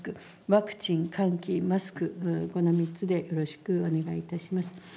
ワクチン、換気、マスク、この３つでよろしくお願いいたします。